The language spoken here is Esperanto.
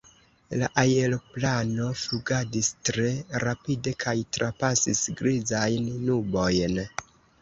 La aeroplano flugadis tre rapide kaj trapasis grizajn nubojn.